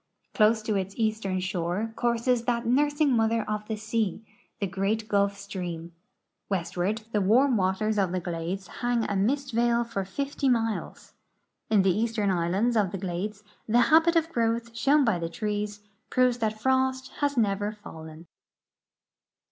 Close to its eastern shore courses that nursing mother of the sea, the great Gulf stream. M'estward the warm waters of the glades hang a mist veil for 50 miles. In the eastern islands of the glades the habit of growth shown by the trees proves that frost has never fallen.